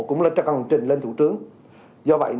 cũng lên cho căn trình lên thủ trướng do vậy